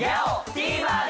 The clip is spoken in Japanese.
ＴＶｅｒで！